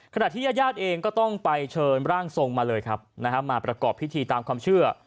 ขณะที่ญาติญาติเองก็ต้องไปเชิญร่างทรงมาเลยครับมาประกอบพิธีตามความเชื่อ